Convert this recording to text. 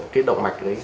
cái động vệ đấy